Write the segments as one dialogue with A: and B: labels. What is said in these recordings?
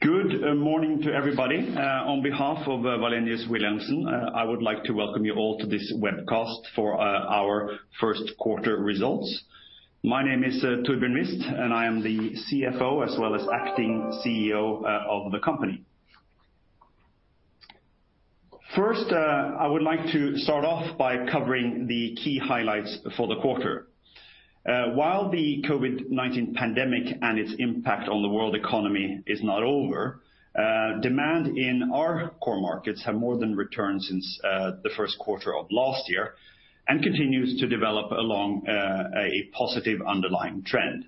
A: Good morning to everybody. On behalf of Wallenius Wilhelmsen, I would like to welcome you all to this webcast for our first quarter results. My name is Torbjørn Wist, and I am the CFO as well as acting CEO of the company. First, I would like to start off by covering the key highlights for the quarter. While the COVID-19 pandemic and its impact on the world economy is not over, demand in our core markets have more than returned since the first quarter of last year, and continues to develop along a positive underlying trend.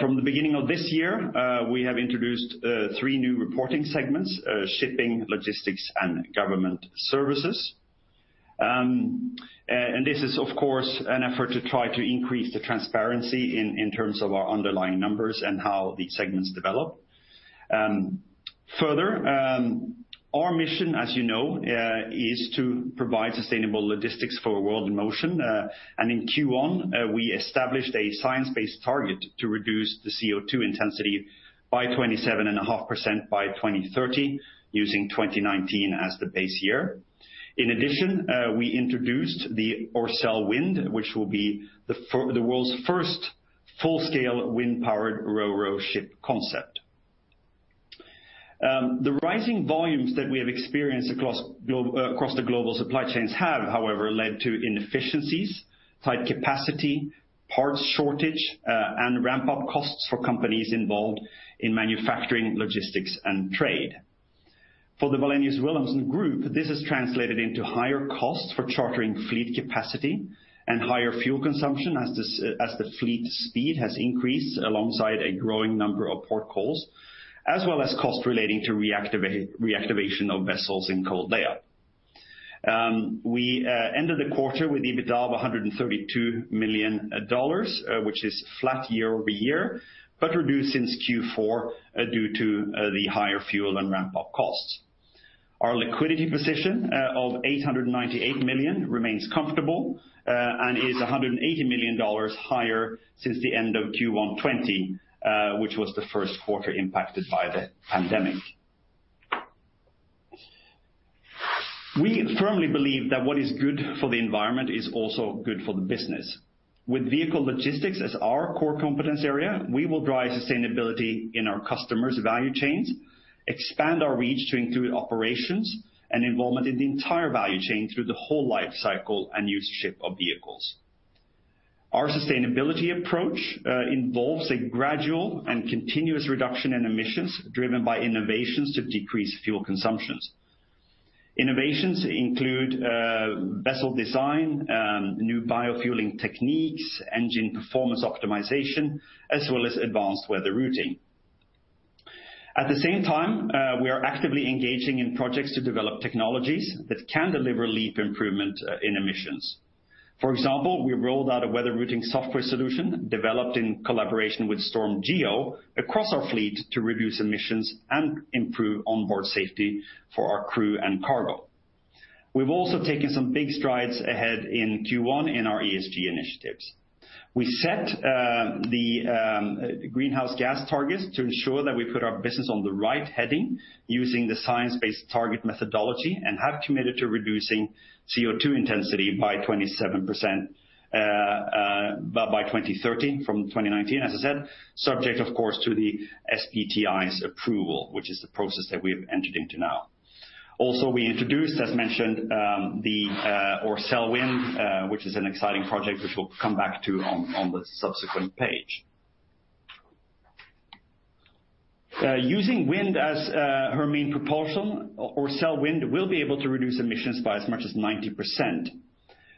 A: From the beginning of this year, we have introduced three new reporting segments: Shipping Services, Logistics and Government Services. This is, of course, an effort to try to increase the transparency in terms of our underlying numbers and how the segments develop. Our mission, as you know, is to provide sustainable logistics for a world in motion. In Q1, we established a science-based target to reduce the CO2 intensity by 27.5% by 2030, using 2019 as the base year. In addition, we introduced the Orcelle Wind, which will be the world's first full-scale wind-powered RoRo ship concept. The rising volumes that we have experienced across the global supply chains have, however, led to inefficiencies, tight capacity, parts shortage, and ramp-up costs for companies involved in manufacturing, logistics, and trade. For the Wallenius Wilhelmsen group, this has translated into higher costs for chartering fleet capacity, and higher fuel consumption as the fleet speed has increased alongside a growing number of port calls, as well as cost relating to reactivation of vessels in cold lay-up. We ended the quarter with EBITDA of $132 million, which is flat year-over-year, but reduced since Q4 due to the higher fuel and ramp-up costs. Our liquidity position of $898 million remains comfortable, and is $180 million higher since the end of Q1 2020, which was the first quarter impacted by the pandemic. We firmly believe that what is good for the environment is also good for the business. With vehicle logistics as our core competence area, we will drive sustainability in our customers' value chains, expand our reach to include operations, and involvement in the entire value chain through the whole life cycle and usage of vehicles. Our sustainability approach involves a gradual and continuous reduction in emissions driven by innovations to decrease fuel consumptions. Innovations include vessel design, new bio-fueling techniques, engine performance optimization, as well as advanced weather routing. At the same time, we are actively engaging in projects to develop technologies that can deliver leap improvement in emissions. For example, we rolled out a weather routing software solution developed in collaboration with StormGeo across our fleet to reduce emissions and improve onboard safety for our crew and cargo. We've also taken some big strides ahead in Q1 in our ESG initiatives. We set the greenhouse gas targets to ensure that we put our business on the right heading using the Science Based Targets initiative methodology, and have committed to reducing CO2 intensity by 27% by 2030 from 2019, as I said, subject, of course, to the SBTi's approval, which is the process that we have entered into now. We introduced, as mentioned, the Orcelle Wind, which is an exciting project which we'll come back to on the subsequent page. Using wind as her main propulsion, Orcelle Wind will be able to reduce emissions by as much as 90%.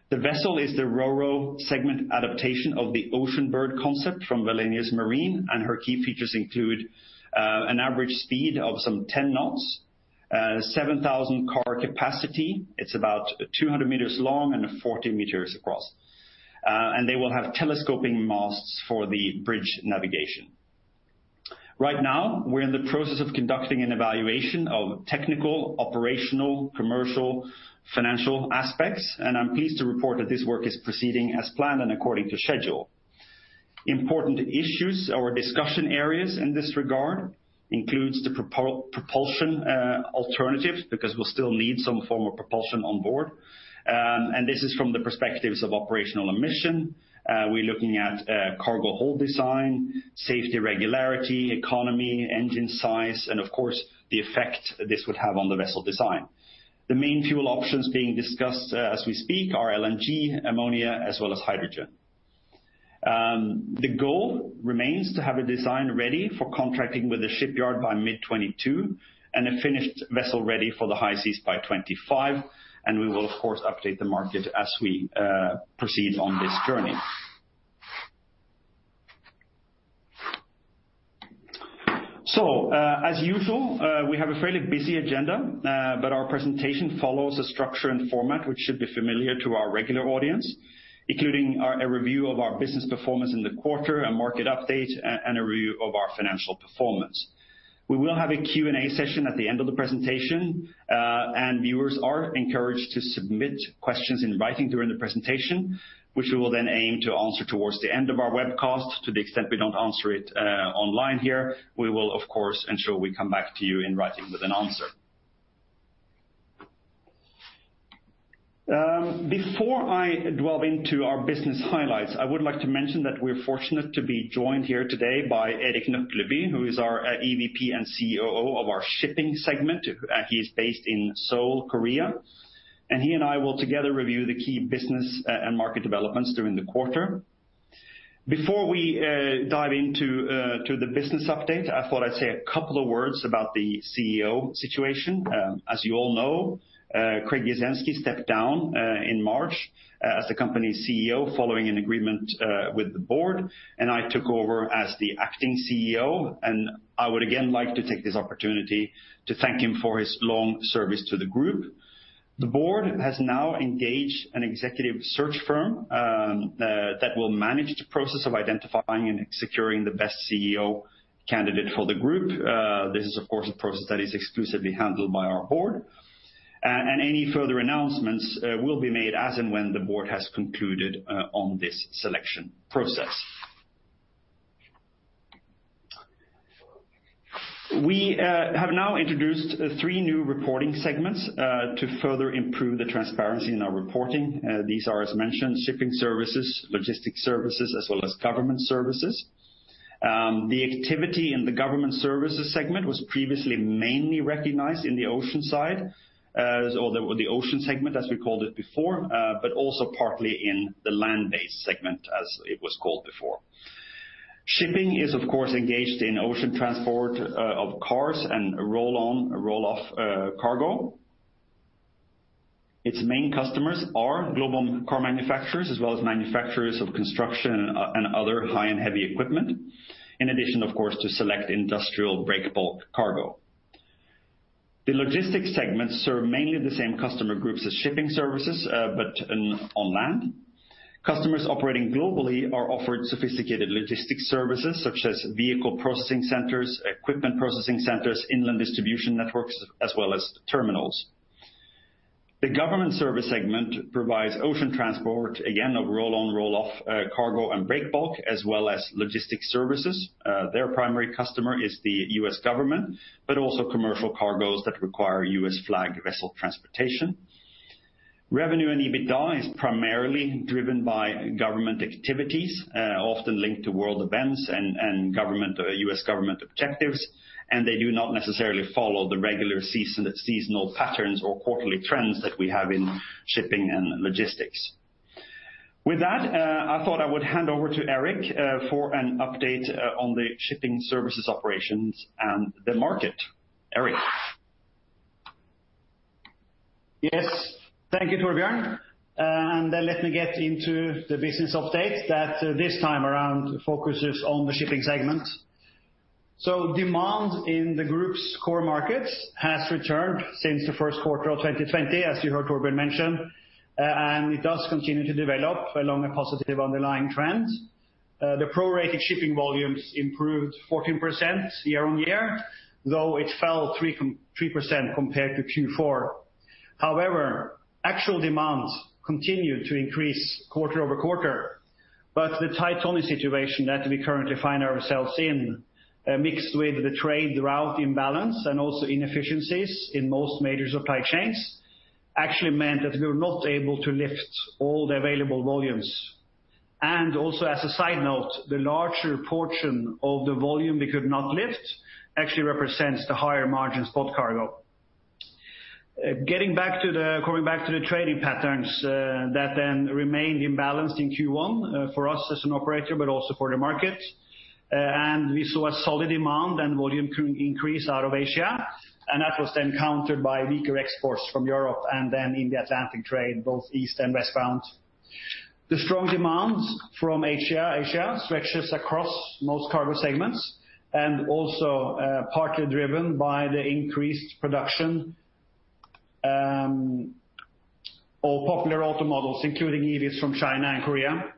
A: The vessel is the RoRo segment adaptation of the Oceanbird concept from Wallenius Marine. Her key features include an average speed of some 10 knots, 7,000 car capacity. It's about 200 meters long and 40 meters across. They will have telescoping masts for the bridge navigation. Right now, we're in the process of conducting an evaluation of technical, operational, commercial, financial aspects, and I'm pleased to report that this work is proceeding as planned and according to schedule. Important issues or discussion areas in this regard includes the propulsion alternatives, because we'll still need some form of propulsion on board. This is from the perspectives of operational emission. We're looking at cargo hold design, safety, regularity, economy, engine size, and of course, the effect this would have on the vessel design. The main fuel options being discussed as we speak are LNG, ammonia, as well as hydrogen. The goal remains to have a design ready for contracting with the shipyard by mid 2022, and a finished vessel ready for the high seas by 2025. We will of course, update the market as we proceed on this journey. As usual, we have a fairly busy agenda, but our presentation follows a structure and format which should be familiar to our regular audience, including a review of our business performance in the quarter, a market update, and a review of our financial performance. We will have a Q&A session at the end of the presentation, and viewers are encouraged to submit questions in writing during the presentation, which we will then aim to answer towards the end of our webcast. To the extent we don't answer it online here, we will, of course, ensure we come back to you in writing with an answer. Before I delve into our business highlights, I would like to mention that we're fortunate to be joined here today by Erik Nøkleby, who is our EVP and COO of our Shipping Services segment, and he is based in Seoul, Korea. He and I will together review the key business and market developments during the quarter. Before we dive into the business update, I thought I'd say a couple of words about the CEO situation. As you all know, Craig Jasienski stepped down in March as the company's CEO following an agreement with the Board, and I took over as the acting CEO, and I would again like to take this opportunity to thank him for his long service to the group. The Board has now engaged an executive search firm that will manage the process of identifying and securing the best CEO candidate for the group. This is, of course, a process that is exclusively handled by our Board, and any further announcements will be made as and when the Board has concluded on this selection process. We have now introduced three new reporting segments to further improve the transparency in our reporting. These are, as mentioned, Shipping Services, Logistics Services, as well as Government Services. The activity in the Government Services segment was previously mainly recognized in the ocean side, or the Ocean segment, as we called it before, but also partly in the Land-based segment as it was called before. Shipping is, of course, engaged in ocean transport of cars and roll-on/roll-off cargo. Its main customers are global car manufacturers as well as manufacturers of construction and other high and heavy equipment, in addition, of course, to select industrial break bulk cargo. The Logistics segments serve mainly the same customer groups as Shipping Services, but on land. Customers operating globally are offered sophisticated Logistics Services such as vehicle processing centers, equipment processing centers, inland distribution networks, as well as terminals. The Government Services segment provides ocean transport, again, of roll-on/roll-off cargo and break bulk, as well as Logistics Services. Their primary customer is the U.S. government, but also commercial cargoes that require U.S. flag vessel transportation. Revenue and EBITDA is primarily driven by government activities, often linked to world events and U.S. government objectives, they do not necessarily follow the regular seasonal patterns or quarterly trends that we have in shipping and logistics. With that, I thought I would hand over to Erik for an update on the Shipping Services operations and the market. Erik?
B: Yes. Thank you, Torbjørn, let me get into the business update that this time around focuses on the Shipping Services segment. Demand in the group's core markets has returned since the first quarter of 2020, as you heard Torbjørn mention, it does continue to develop along a positive underlying trend. The prorated shipping volumes improved 14% year-over-year, though it fell 3% compared to Q4. However, actual demand continued to increase quarter-over-quarter. The tight tonnage situation that we currently find ourselves in, mixed with the trade route imbalance and also inefficiencies in most major supply chains, actually meant that we were not able to lift all the available volumes. Also, as a side note, the larger portion of the volume we could not lift actually represents the higher margin spot cargo. Going back to the trading patterns that then remained imbalanced in Q1 for us as an operator, but also for the market, and we saw a solid demand and volume increase out of Asia, and that was then countered by weaker exports from Europe and then in the Atlantic trade, both east and westbound. The strong demand from Asia stretches across most cargo segments and also partly driven by the increased production of popular auto models, including EVs from China and Korea.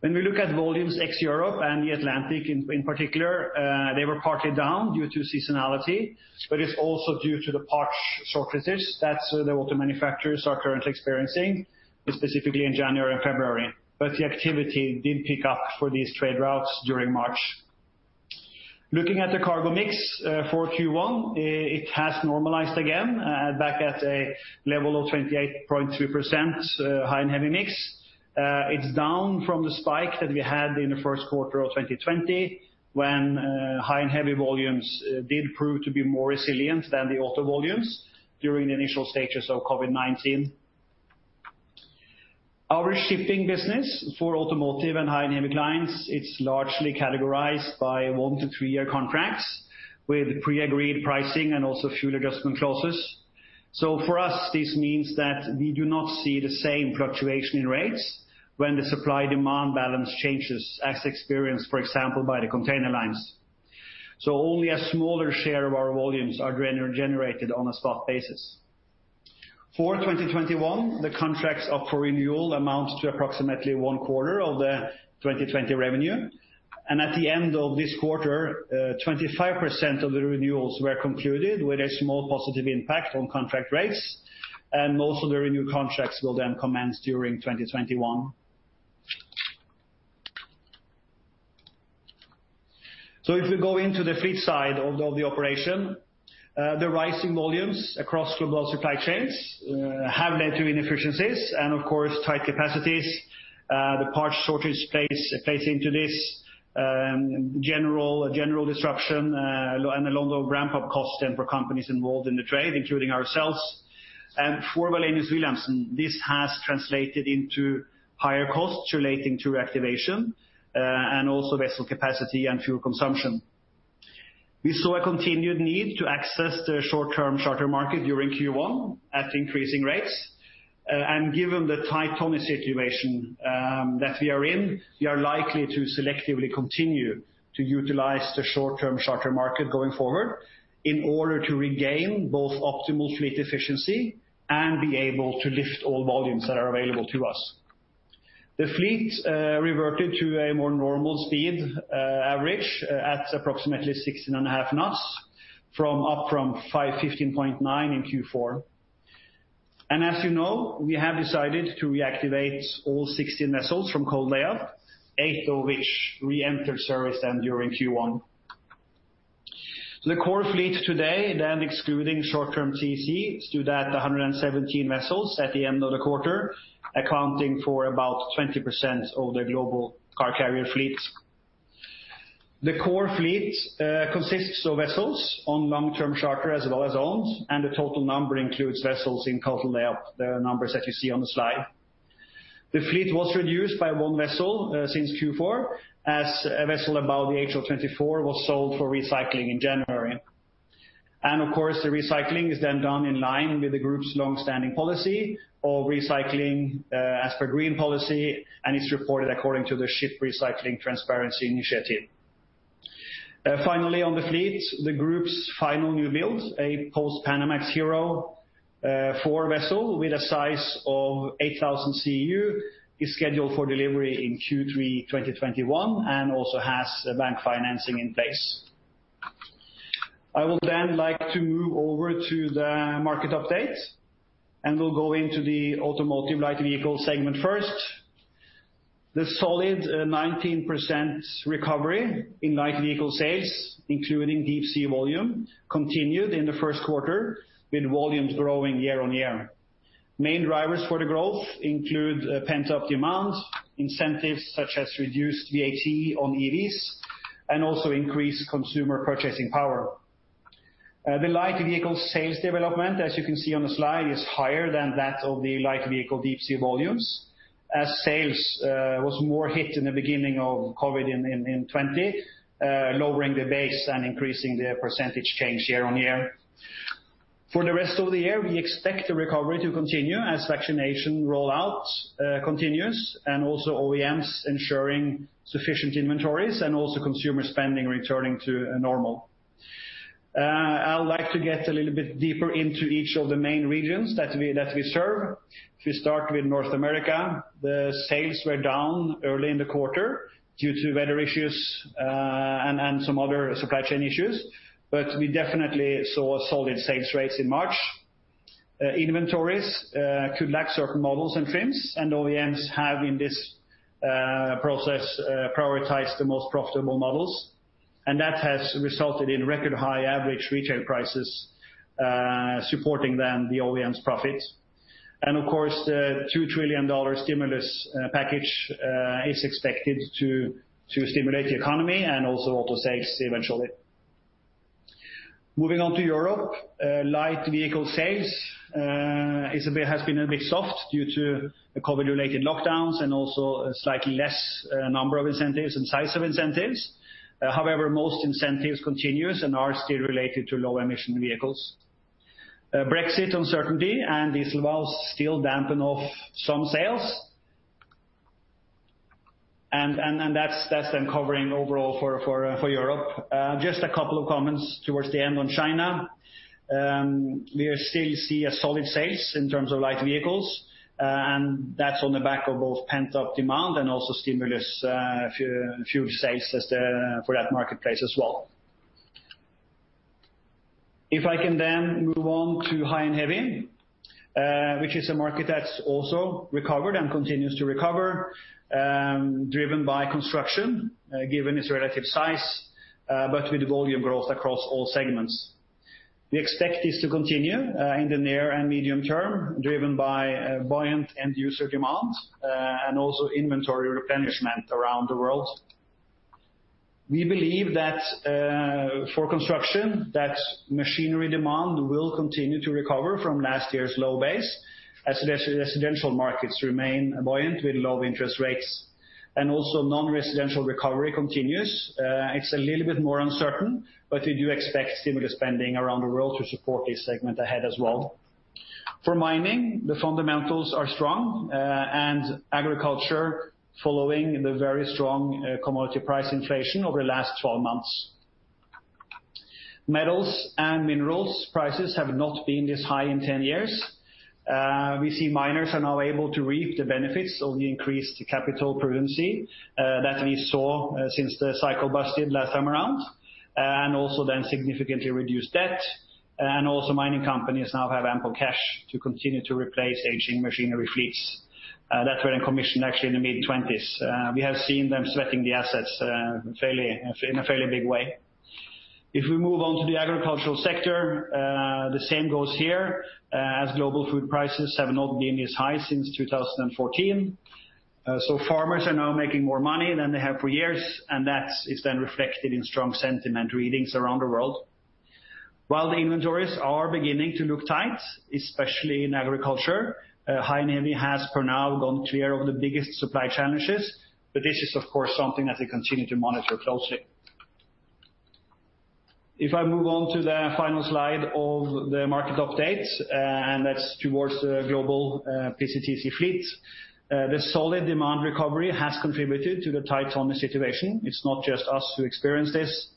B: When we look at volumes ex-Europe and the Atlantic in particular, they were partly down due to seasonality, but it's also due to the parts shortages that the auto manufacturers are currently experiencing, specifically in January and February, but the activity did pick up for these trade routes during March. Looking at the cargo mix for Q1, it has normalized again back at a level of 28.3% high and heavy mix. It's down from the spike that we had in the first quarter of 2020 when high and heavy volumes did prove to be more resilient than the auto volumes during the initial stages of COVID-19. Our shipping business for automotive and high and heavy clients, it's largely categorized by one to three-year contracts with pre-agreed pricing and also fuel adjustment clauses. For us, this means that we do not see the same fluctuation in rates when the supply-demand balance changes as experienced, for example, by the container lines. Only a smaller share of our volumes are generated on a spot basis. For 2021, the contracts up for renewal amounts to approximately one quarter of the 2020 revenue, and at the end of this quarter, 25% of the renewals were concluded with a small positive impact on contract rates, and most of the renew contracts will then commence during 2021. If we go into the fleet side of the operation, the rising volumes across global supply chains have led to inefficiencies and, of course, tight capacities. The parts shortage plays into this general disruption, a longer ramp-up cost then for companies involved in the trade, including ourselves. For Wallenius Wilhelmsen, this has translated into higher costs relating to reactivation, and also vessel capacity and fuel consumption. We saw a continued need to access the short-term charter market during Q1 at increasing rates. Given the tight tonnage situation that we are in, we are likely to selectively continue to utilize the short-term charter market going forward in order to regain both optimal fleet efficiency and be able to lift all volumes that are available to us. The fleet reverted to a more normal speed average at approximately 16.5 knots, up from 15.9 in Q4. As you know, we have decided to reactivate all 16 vessels from cold lay up, eight of which re-entered service then during Q1. The core fleet today, excluding short-term TC, stood at 117 vessels at the end of the quarter, accounting for about 20% of the global car carrier fleet. The core fleet consists of vessels on long-term charter as well as owned, and the total number includes vessels in cold layup, the numbers that you see on the slide. The fleet was reduced by one vessel since Q4, as a vessel about the age of 24 was sold for recycling in January. Of course, the recycling is then done in line with the Group's longstanding policy of recycling as per green policy, and is reported according to the Ship Recycling Transparency Initiative. Finally, on the fleet, the Group's final newbuild, a post-Panamax HERO-class vessel with a size of 8,000 CEU, is scheduled for delivery in Q3 2021 and also has bank financing in place. I would then like to move over to the market update. We'll go into the automotive light vehicle segment first. The solid 19% recovery in light vehicle sales, including deep sea volume, continued in the first quarter, with volumes growing year-on-year. Main drivers for the growth include pent-up demand, incentives such as reduced VAT on EVs, and also increased consumer purchasing power. The light vehicle sales development, as you can see on the slide, is higher than that of the light vehicle deep sea volumes as sales was more hit in the beginning of COVID-19 in 2020, lowering the base and increasing the percentage change year-on-year. For the rest of the year, we expect the recovery to continue as vaccination rollout continues and also OEMs ensuring sufficient inventories and also consumer spending returning to normal. I would like to get a little bit deeper into each of the main regions that we serve. If we start with North America, the sales were down early in the quarter due to weather issues and some other supply chain issues. We definitely saw solid sales rates in March. Inventories could lack certain models and trims. OEMs have, in this process, prioritized the most profitable models. That has resulted in record high average retail prices supporting then the OEM's profit. Of course, the $2 trillion stimulus package is expected to stimulate the economy and also auto sales eventually. Moving on to Europe, light vehicle sales has been a bit soft due to the COVID-related lockdowns and also a slightly less number of incentives and size of incentives. However, most incentives continues and are still related to low-emission vehicles. Brexit uncertainty and diesel values still dampen off some sales. That's then covering overall for Europe. Just a couple of comments towards the end on China. We still see a solid sales in terms of light vehicles, and that's on the back of both pent-up demand and also stimulus fuel sales for that marketplace as well. If I can then move on to high and heavy, which is a market that's also recovered and continues to recover, driven by construction, given its relative size, but with volume growth across all segments. We expect this to continue in the near and medium term, driven by buoyant end-user demand and also inventory replenishment around the world. We believe that for construction, that machinery demand will continue to recover from last year's low base as residential markets remain buoyant with low interest rates. Also non-residential recovery continues. It's a little bit more uncertain. We do expect stimulus spending around the world to support this segment ahead as well. For mining, the fundamentals are strong, and agriculture following the very strong commodity price inflation over the last 12 months. Metals and minerals prices have not been this high in 10 years. We see miners are now able to reap the benefits of the increased capital prudence that we saw since the cycle busted last time around. Also significantly reduced debt. Mining companies now have ample cash to continue to replace aging machinery fleets that were in commission actually in the mid-20s. We have seen them sweating the assets in a fairly big way. If we move on to the agricultural sector, the same goes here, as global food prices have not been this high since 2014. Farmers are now making more money than they have for years, and that is then reflected in strong sentiment readings around the world. While the inventories are beginning to look tight, especially in agriculture, high and heavy has for now gone clear of the biggest supply challenges. This is, of course, something that we continue to monitor closely. If I move on to the final slide of the market updates, and that's towards the global PCTC fleet. The solid demand recovery has contributed to the tight tonnage situation. It's not just us who experience this.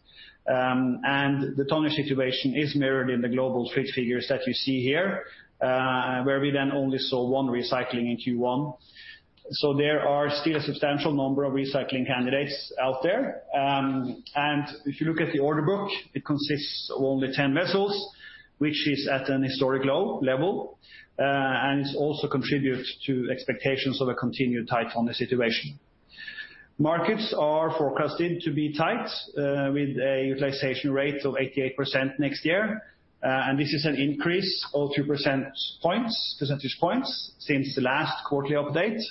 B: The tonnage situation is mirrored in the global fleet figures that you see here, where we then only saw one recycling in Q1. There are still a substantial number of recycling candidates out there. If you look at the order book, it consists of only 10 vessels, which is at an historic low level. It also contributes to expectations of a continued tight tonnage situation. Markets are forecasted to be tight, with a utilization rate of 88% next year. This is an increase of 2 percentage points since the last quarterly update.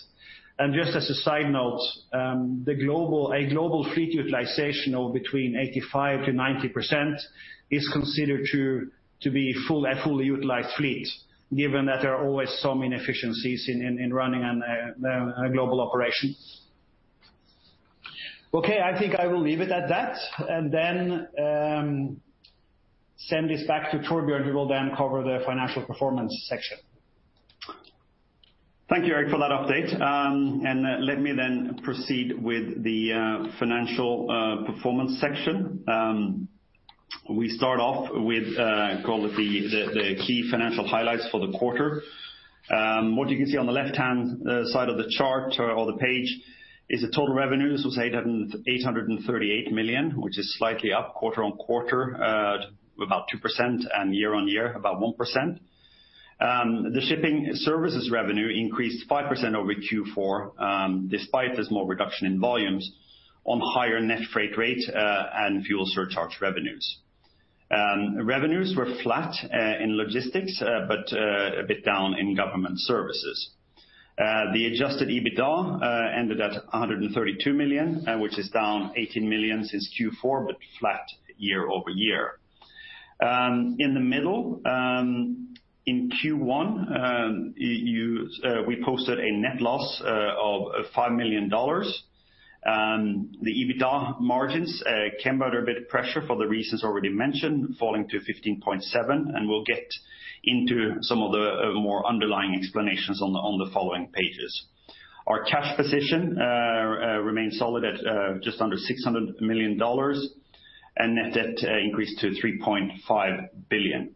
B: Just as a side note, a global fleet utilization of between 85%-90% is considered to be a fully utilized fleet, given that there are always some inefficiencies in running a global operation. Okay, I think I will leave it at that and then send this back to Torbjørn, who will then cover the financial performance section.
A: Thank you, Erik, for that update. Let me then proceed with the financial performance section. We start off with, call it the key financial highlights for the quarter. What you can see on the left-hand side of the chart or the page is the total revenues was $838 million, which is slightly up quarter-on-quarter, about 2%, and year-on-year, about 1%. The Shipping Services revenue increased 5% over Q4, despite the small reduction in volumes on higher net freight rate and fuel surcharge revenues. Revenues were flat in Logistics, but a bit down in Government Services. The adjusted EBITDA ended at $132 million, which is down $18 million since Q4, but flat year-over-year. In the middle, in Q1, we posted a net loss of $5 million. The EBITDA margins came under a bit of pressure for the reasons already mentioned, falling to 15.7%, and we'll get into some of the more underlying explanations on the following pages. Our cash position remains solid at just under $600 million, and net debt increased to $3.5 billion.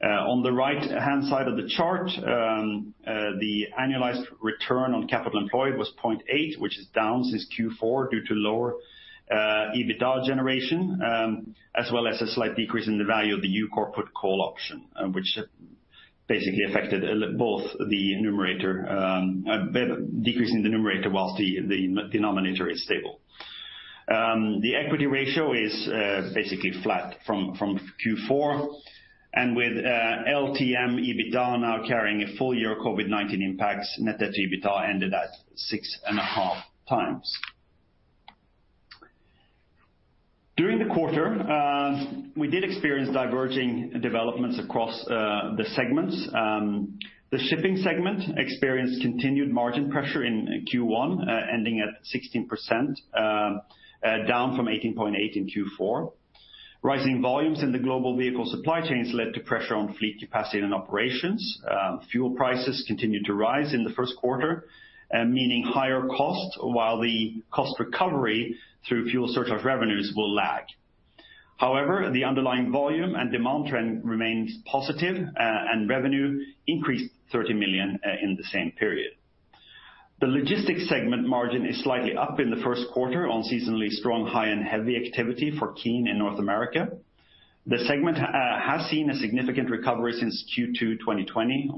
A: On the right-hand side of the chart, the annualized return on capital employed was 0.8x, which is down since Q4 due to lower EBITDA generation, as well as a slight decrease in the value of the U.S corporate call option, which basically affected both the numerator, a decrease in the numerator whilst the denominator is stable. The equity ratio is basically flat from Q4. With LTM EBITDA now carrying a full-year COVID-19 impacts, net debt to EBITDA ended at 6.5x. During the quarter, we did experience diverging developments across the segments. The Shipping segment experienced continued margin pressure in Q1, ending at 16%, down from 18.8% in Q4. Rising volumes in the global vehicle supply chains led to pressure on fleet capacity and operations. Fuel prices continued to rise in the first quarter, meaning higher costs, while the cost recovery through fuel surcharge revenues will lag. However, the underlying volume and demand trend remains positive, and revenue increased $30 million in the same period. The Logistics segment margin is slightly up in the first quarter on seasonally strong high and heavy activity for Keen in North America. The segment has seen a significant recovery since Q2 2020,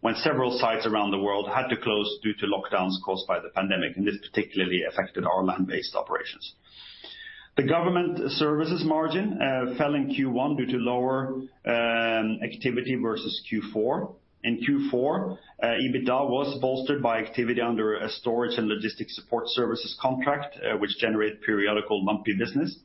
A: when several sites around the world had to close due to lockdowns caused by the pandemic, and this particularly affected our land-based operations. The Government Services margin fell in Q1 due to lower activity versus Q4. In Q4, EBITDA was bolstered by activity under a storage and logistics support services contract, which generated periodical monthly business.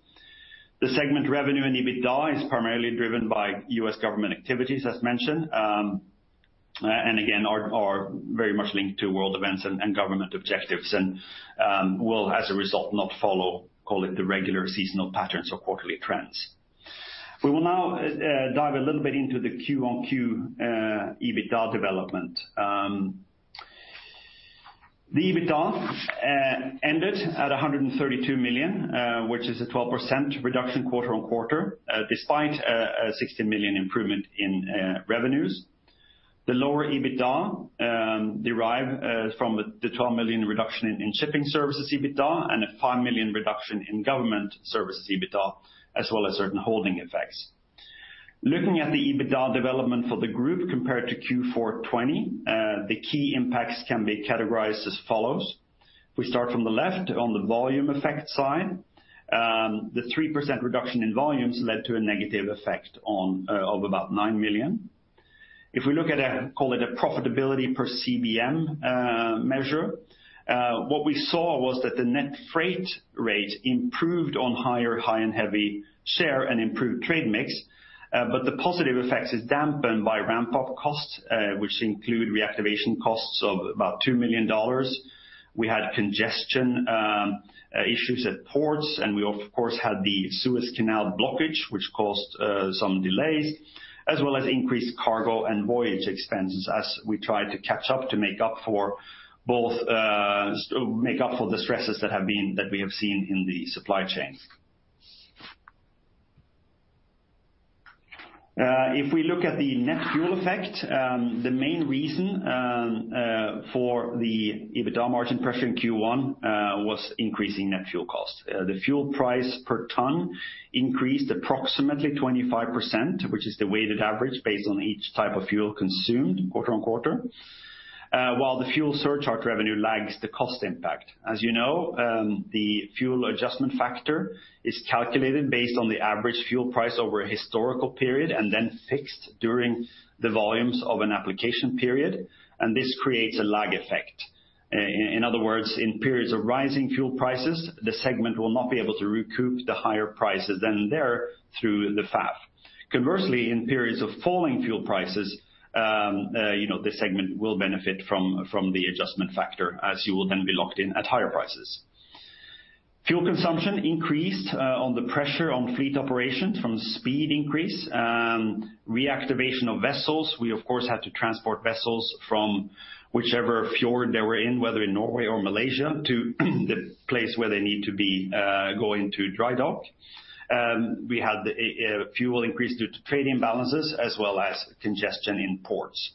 A: The segment revenue and EBITDA is primarily driven by U.S. Government activities, as mentioned, and again, are very much linked to world events and government objectives and will, as a result, not follow, call it the regular seasonal patterns or quarterly trends. We will now dive a little bit into the quarter-on-quarter EBITDA development. The EBITDA ended at $132 million, which is a 12% reduction quarter-on-quarter, despite a $16 million improvement in revenues. The lower EBITDA derive from the $12 million reduction in Shipping Services EBITDA and a $5 million reduction in Government Services EBITDA, as well as certain holding effects. Looking at the EBITDA development for the group compared to Q4 2020, the key impacts can be categorized as follows. If we start from the left on the volume effect side, the 3% reduction in volumes led to a negative effect of about $9 million. If we look at, call it, a profitability per CBM measure, what we saw was that the net freight rate improved on higher high and heavy share and improved trade mix. The positive effects is dampened by ramp-up costs, which include reactivation costs of about $2 million. We had congestion issues at ports, and we of course, had the Suez Canal blockage, which caused some delays, as well as increased cargo and voyage expenses as we tried to catch up to make up for the stresses that we have seen in the supply chain. If we look at the net fuel effect, the main reason for the EBITDA margin pressure in Q1 was increasing net fuel cost. The fuel price per ton increased approximately 25%, which is the weighted average based on each type of fuel consumed quarter on quarter, while the fuel surcharge revenue lags the cost impact. As you know, the fuel adjustment factor is calculated based on the average fuel price over a historical period and then fixed during the volumes of an application period, and this creates a lag effect. In other words, in periods of rising fuel prices, the segment will not be able to recoup the higher prices then and there through the FAF. Conversely, in periods of falling fuel prices, this segment will benefit from the adjustment factor, as you will then be locked in at higher prices. Fuel consumption increased on the pressure on fleet operations from speed increase. Reactivation of vessels, we of course, had to transport vessels from whichever fjord they were in, whether in Norway or Malaysia, to the place where they need to be going to dry dock. We had the fuel increase due to trade imbalances as well as congestion in ports.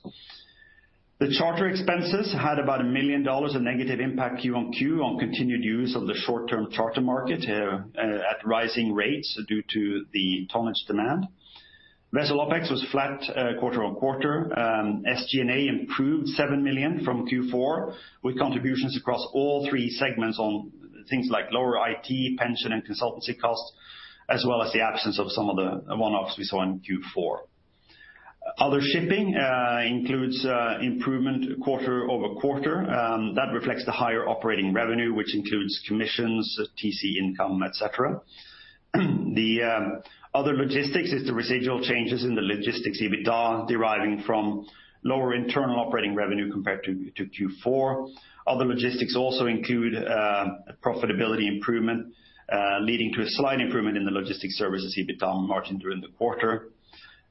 A: The charter expenses had about $1 million of negative impact quarter-on-quarter on continued use of the short-term charter market at rising rates due to the tonnage demand. Vessel OpEx was flat quarter-on-quarter. SG&A improved $7 million from Q4, with contributions across all three segments on things like lower IT, pension, and consultancy costs, as well as the absence of some of the one-offs we saw in Q4. Other Shipping includes improvement quarter-over-quarter. That reflects the higher operating revenue, which includes commissions, TC income, et cetera. The Other Logistics is the residual changes in the Logistics EBITDA deriving from lower internal operating revenue compared to Q4. Other Logistics also include profitability improvement, leading to a slight improvement in the Logistics Services EBITDA margin during the quarter.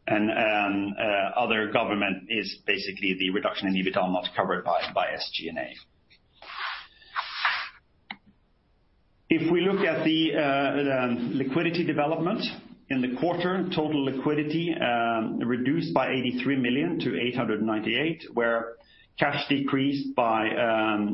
A: Other Government is basically the reduction in EBITDA not covered by SG&A. If we look at the liquidity development in the quarter, total liquidity reduced by $83 million to $898 million, where cash decreased by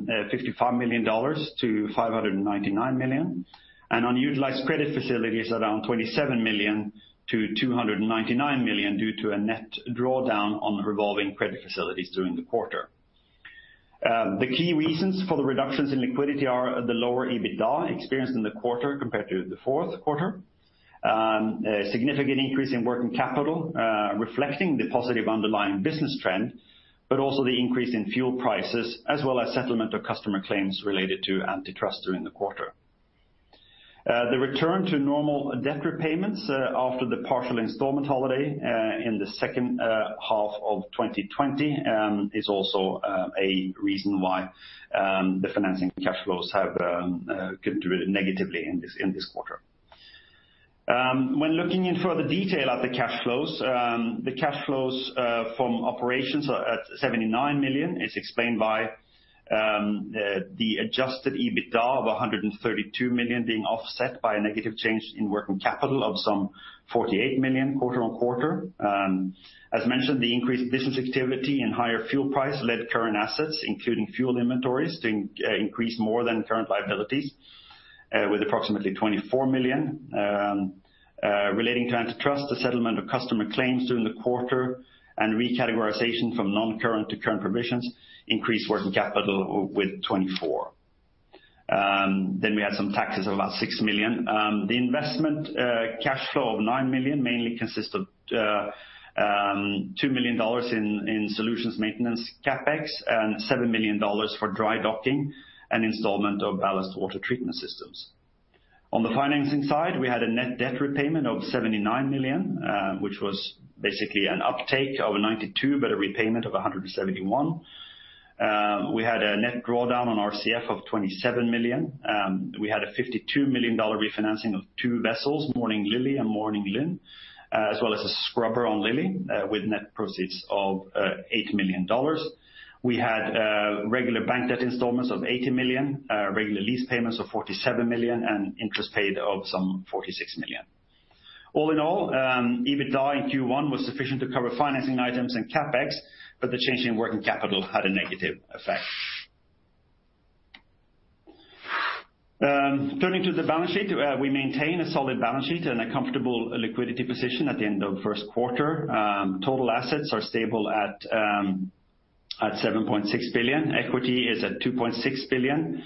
A: $55 million to $599 million, and unutilized credit facilities around $27 million to $299 million due to a net drawdown on revolving credit facilities during the quarter. The key reasons for the reductions in liquidity are the lower EBITDA experienced in the quarter compared to the fourth quarter. A significant increase in working capital reflecting the positive underlying business trend, but also the increase in fuel prices, as well as settlement of customer claims related to antitrust during the quarter. The return to normal debt repayments after the partial installment holiday in the second half of 2020 is also a reason why the financing cash flows have contributed negatively in this quarter. When looking in further detail at the cash flows, the cash flows from operations at $79 million is explained by the adjusted EBITDA of $132 million being offset by a negative change in working capital of some $48 million quarter-on-quarter. As mentioned, the increased business activity and higher fuel price led current assets, including fuel inventories, to increase more than current liabilities with approximately $24 million. Relating to antitrust, the settlement of customer claims during the quarter and recategorization from non-current to current provisions increased working capital with $24 million. We had some taxes of about $6 million. The investment cash flow of $9 million mainly consists of $2 million in solutions maintenance CapEx and $7 million for dry docking and installment of ballast water treatment systems. On the financing side, we had a net debt repayment of $79 million, which was basically an uptake of $92 million, but a repayment of $171 million. We had a net drawdown on RCF of $27 million. We had a $52 million refinancing of two vessels, Morning Lily and Morning Lynn, as well as a scrubber on Lily with net proceeds of $8 million. We had regular bank debt installments of $80 million, regular lease payments of $47 million, and interest paid of some $46 million. All in all, EBITDA in Q1 was sufficient to cover financing items and CapEx, but the change in working capital had a negative effect. Turning to the balance sheet, we maintain a solid balance sheet and a comfortable liquidity position at the end of first quarter. Total assets are stable at $7.6 billion. Equity is at $2.6 billion,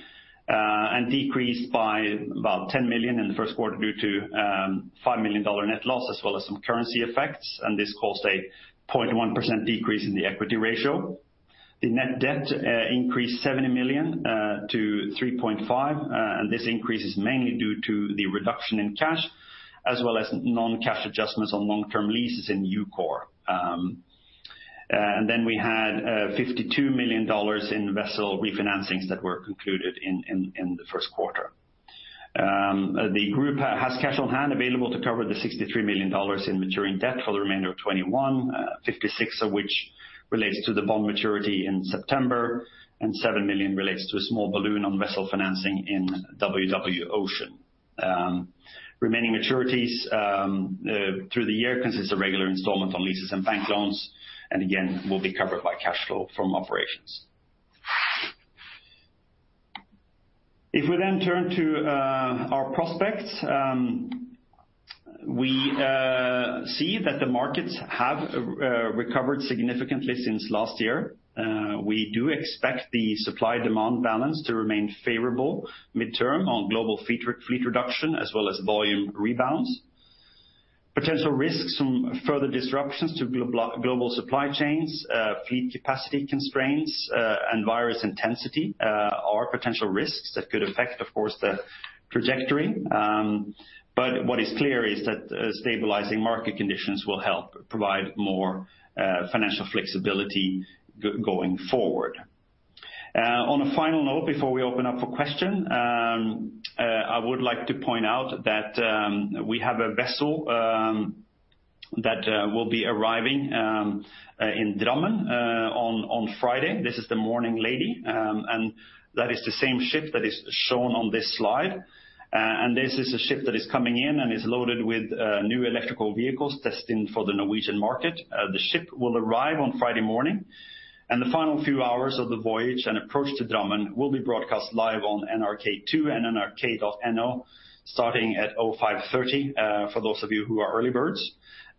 A: and decreased by about $10 million in the first quarter due to a $5 million net loss, as well as some currency effects, and this caused a 0.1% decrease in the equity ratio. The net debt increased $70 million to $3.5 billion, this increase is mainly due to the reduction in cash, as well as non-cash adjustments on long-term leases in. [inaudible] We had $52 million in vessel refinancings that were concluded in the first quarter. The group has cash on hand available to cover the $63 million in maturing debt for the remainder of 2021, $56 million of which relates to the bond maturity in September, $7 million relates to a small balloon on vessel financing in WW Ocean. Remaining maturities through the year consists of regular installment on leases and bank loans, again, will be covered by cash flow from operations. If we turn to our prospects, we see that the markets have recovered significantly since last year. We do expect the supply-demand balance to remain favorable mid-term on global fleet reduction, as well as volume rebounds. Potential risks from further disruptions to global supply chains, fleet capacity constraints, and virus intensity are potential risks that could affect, of course, the trajectory. What is clear is that stabilizing market conditions will help provide more financial flexibility going forward. On a final note before we open up for question, I would like to point out that we have a vessel that will be arriving in Drammen on Friday. This is the Morning Lady, that is the same ship that is shown on this slide. This is a ship that is coming in and is loaded with new electrical vehicles destined for the Norwegian market. The ship will arrive on Friday morning, the final few hours of the voyage and approach to Drammen will be broadcast live on NRK2 and nrk.no, starting at 5:30 A.M., for those of you who are early birds.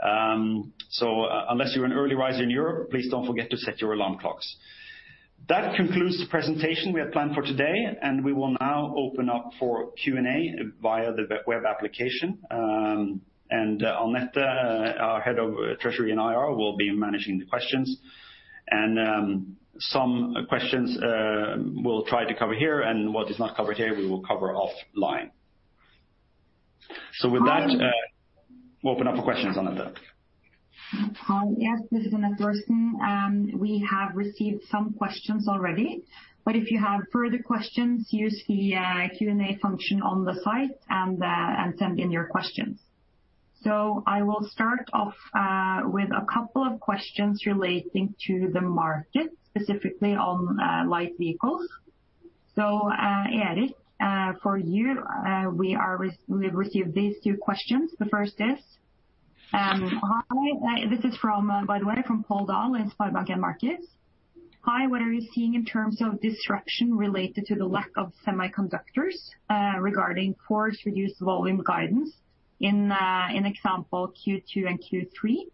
A: Unless you're an early riser in Europe, please don't forget to set your alarm clocks. That concludes the presentation we had planned for today, we will now open up for Q&A via the web application. Anette, our head of Treasury and IR, will be managing the questions. Some questions we'll try to cover here, and what is not covered here we will cover offline. With that, open up for questions, Anette.
C: Hi, yes, this is Anette Maltun Koefoed. We have received some questions already, but if you have further questions, use the Q&A function on the site and send in your questions. I will start off with a couple of questions relating to the market, specifically on light vehicles. Erik, for you, we have received these two questions. The first is, this is from, by the way, from Pål Dahl in SpareBank 1 Markets. "Hi, what are you seeing in terms of disruption related to the lack of semiconductors regarding Kia's reduced volume guidance in, example, Q2 and Q3?"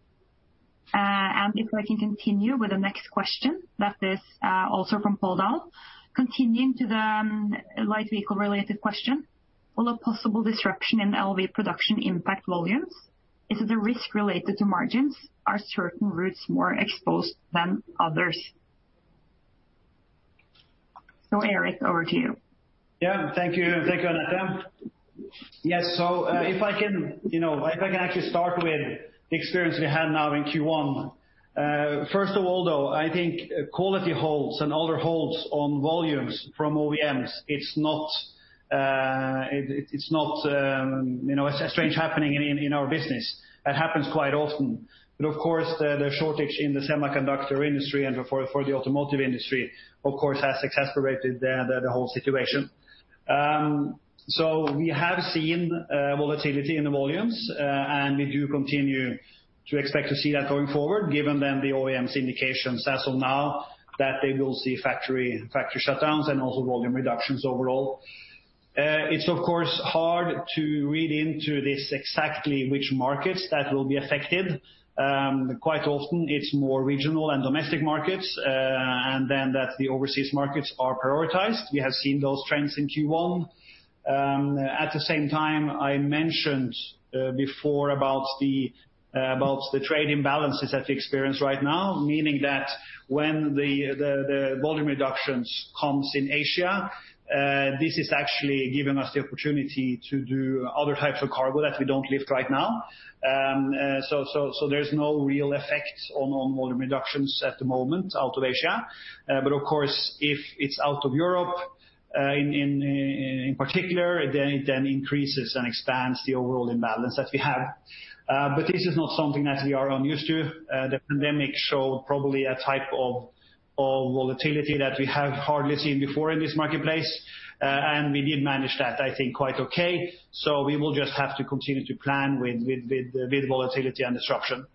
C: If I can continue with the next question, that is also from Pål Dahl. "Continuing to the light vehicle related question, will a possible disruption in LV production impact volumes? Is it a risk related to margins? Are certain routes more exposed than others?" Erik, over to you.
B: Yeah. Thank you, Anette. Yes, if I can actually start with the experience we have now in Q1. First of all, though, I think quality holds and order holds on volumes from OEMs. It's not a strange happening in our business. That happens quite often. Of course, the shortage in the semiconductor industry and for the automotive industry, of course, has exacerbated the whole situation. We have seen volatility in the volumes, and we do continue to expect to see that going forward, given then the OEM's indications as of now that they will see factory shutdowns and also volume reductions overall. It's of course hard to read into this exactly which markets that will be affected. Quite often it's more regional and domestic markets and then that the overseas markets are prioritized. We have seen those trends in Q1. At the same time, I mentioned before about the trade imbalances that we experience right now, meaning that when the volume reductions comes in Asia, this is actually giving us the opportunity to do other types of cargo that we don't lift right now. There's no real effect on volume reductions at the moment out of Asia. Of course, if it's out of Europe in particular, then it then increases and expands the overall imbalance that we have. This is not something that we are unused to. The pandemic showed probably a type of volatility that we have hardly seen before in this marketplace. We did manage that, I think, quite okay. We will just have to continue to plan with the volatility and disruption.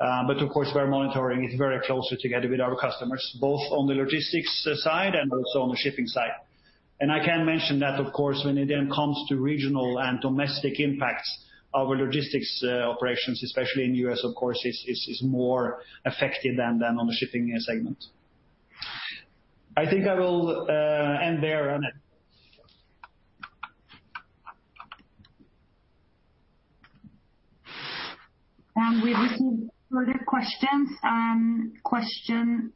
B: Of course, we are monitoring it very closely together with our customers, both on the Logistics Services side and also on the Shipping Services side. I can mention that, of course, when it then comes to regional and domestic impacts, our Logistics Services operations, especially in the U.S., of course, is more effective than on the Shipping Services segment. I think I will end there.
C: We receive further questions. Question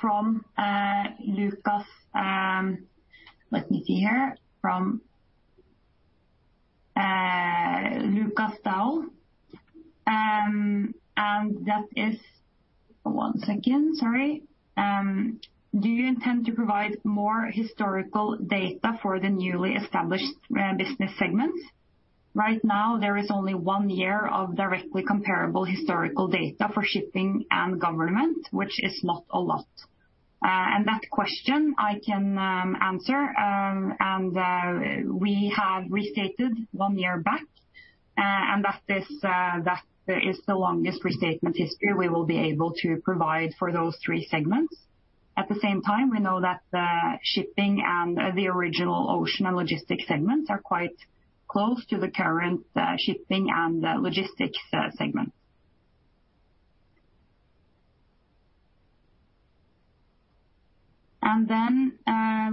C: from Lukas Torss. One second. Sorry. Do you intend to provide more historical data for the newly established business segments? Right now, there is only one year of directly comparable historical data for Shipping and Government, which is not a lot. That question I can answer. We have restated one year back, and that is the longest restatement history we will be able to provide for those three segments. At the same time, we know that the Shipping and the original ocean Logistics segments are quite close to the current Shipping and Logistics segments.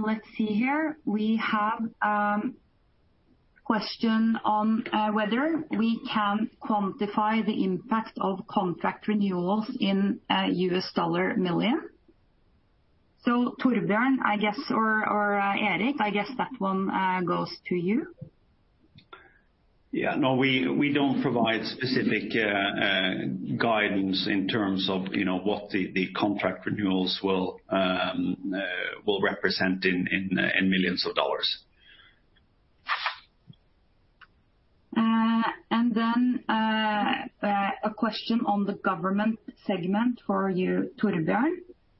C: Let's see here. We have a question on whether we can quantify the impact of contract renewals in US dollar million. Torbjørn, I guess, or Erik, I guess that one goes to you.
A: Yeah, no. We don't provide specific guidance in terms of what the contract renewals will represent in millions of dollars.
C: A question on the Government segment for you, Torbjørn.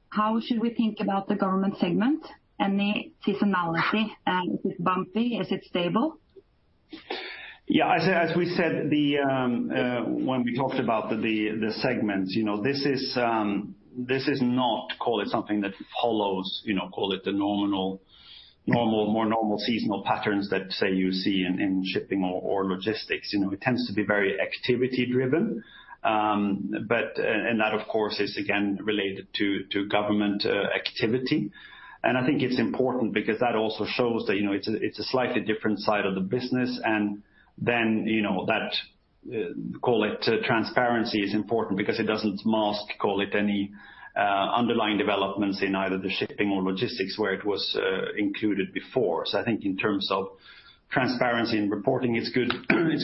C: How should we think about the Government segment? Any seasonality? Is it bumpy? Is it stable?
A: Yeah, as we said when we talked about the segments, this is not something that follows the more normal seasonal patterns that, say, you see in Shipping Services or Logistics Services. It tends to be very activity driven. That, of course, is again related to government activity. I think it's important because that also shows that it's a slightly different side of the business and then that, call it transparency, is important because it doesn't mask any underlying developments in either the Shipping or Logistics where it was included before. I think in terms of transparency and reporting, it's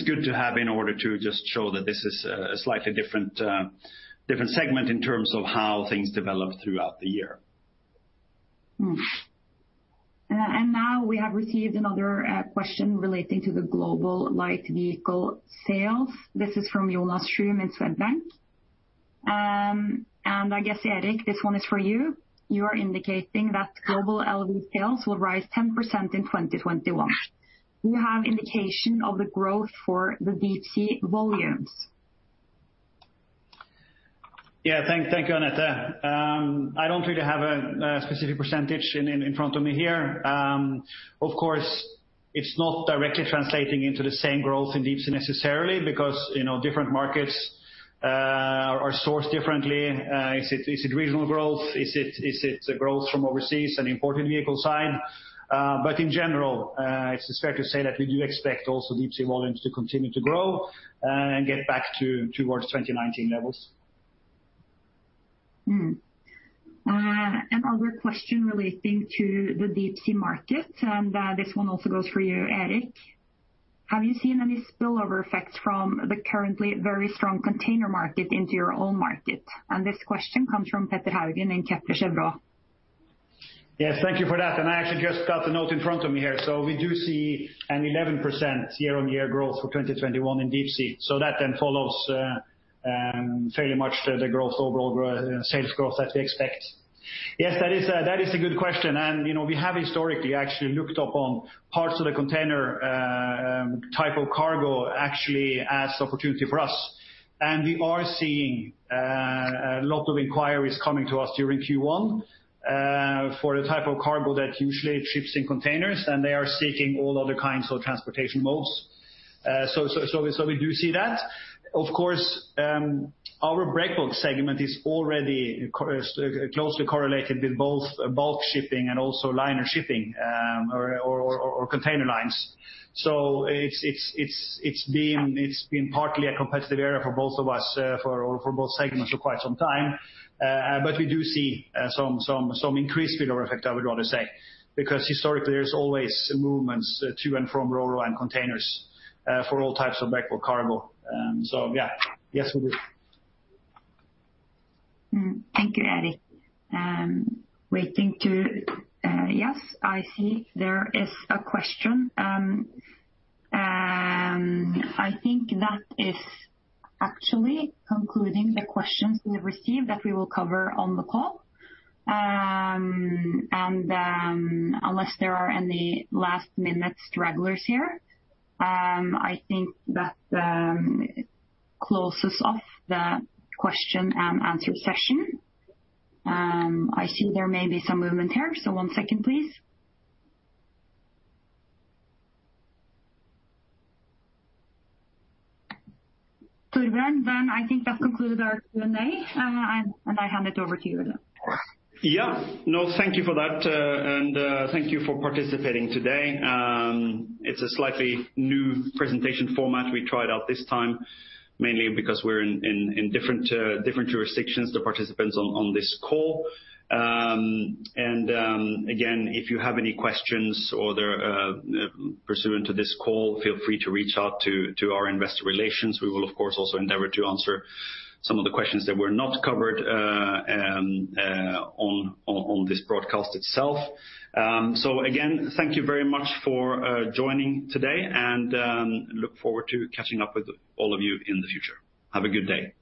A: good to have in order to just show that this is a slightly different segment in terms of how things develop throughout the year.
C: Now we have received another question relating to the global light vehicle sales. This is from Jonas Ström, Swedbank. I guess, Erik, this one is for you. You are indicating that global LV sales will rise 10% in 2021. Do you have indication of the growth for the deep-sea volumes?
B: Thank you, Anette. I don't think I have a specific % in front of me here. Of course, it's not directly translating into the same growth in deep-sea necessarily because different markets are sourced differently. Is it regional growth? Is it the growth from overseas and imported vehicle side? In general, it's fair to say that we do expect also deep-sea volumes to continue to grow and get back towards 2019 levels.
C: Another question relating to the deep-sea market, and this one also goes for you, Erik. Have you seen any spillover effects from the currently very strong container market into your own market? This question comes from Petter Haugen in Kepler Cheuvreux.
B: Yes, thank you for that. I actually just got the note in front of me here. We do see an 11% year-on-year growth for 2021 in deep sea. That then follows fairly much the growth overall, sales growth that we expect. Yes, that is a good question. We have historically actually looked up on parts of the container type of cargo actually as opportunity for us. We are seeing a lot of inquiries coming to us during Q1 for the type of cargo that usually ships in containers, and they are seeking all other kinds of transportation modes. We do see that. Of course, our break bulk segment is already closely correlated with both bulk shipping and also liner shipping or container lines. It's been partly a competitive area for both of us, for both segments for quite some time. We do see some increased spillover effect, I would rather say, because historically there's always movements to and from RoRo and containers for all types of break bulk cargo. Yeah. Yes, we do.
C: Thank you, Erik. Yes, I see there is a question, and I think that is actually concluding the questions we received that we will cover on the call. Unless there are any last-minute stragglers here, I think that closes off the question and answer session. I see there may be some movement here, so one second, please. Torbjørn, I think that concludes our Q&A, and I hand it over to you then.
A: Yes. No, thank you for that, and thank you for participating today. It's a slightly new presentation format we tried out this time, mainly because we're in different jurisdictions to participants on this call. Again, if you have any questions pursuant to this call, feel free to reach out to our Investor Relations. We will, of course, also endeavor to answer some of the questions that were not covered on this broadcast itself. Again, thank you very much for joining today, and look forward to catching up with all of you in the future. Have a good day.